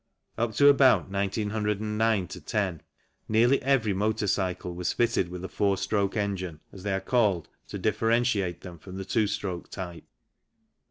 Up to about 1909 10 nearly every motor cycle was fitted with a four stroke engine, as they are called to differentiate them from the two stroke type.